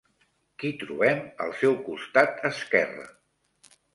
Qui trobem al seu costat esquerre?